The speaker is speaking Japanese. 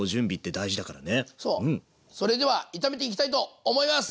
それでは炒めていきたいと思います！